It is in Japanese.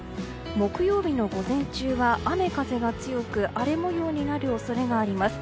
木曜日の午前中は雨風が強く荒れ模様になる恐れがあります。